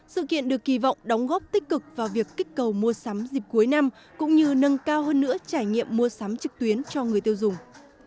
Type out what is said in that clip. sự kiện được kỳ vọng đóng góp tích cực vào việc kích cầu mua sắm dịp cuối năm cũng như nâng cao hơn nữa trải nghiệm mua sắm trực tuyến cho người tiêu dùng